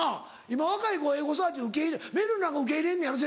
今若い子はエゴサーチ受け入れめるる受け入れんねやろ？